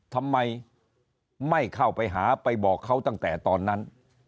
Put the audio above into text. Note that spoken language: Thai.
ทำไมไม่เข้าไปหาไปบอกเขาตั้งแต่ตอนนั้น